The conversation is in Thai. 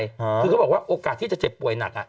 คือเขาบอกว่าโอกาสที่จะเจ็บป่วยหนัก